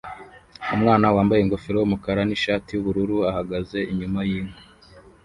Umwana wambaye ingofero yumukara nishati yubururu ahagaze inyuma yinkwi